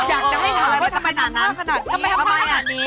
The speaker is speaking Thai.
อยากจะให้ถามทำไมทำให้ท่านมาทำไรทำขนาดนี้